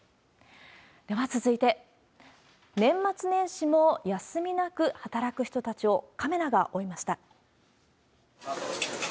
では続いて、年末年始も休みなく働く人たちをカメラが追いました。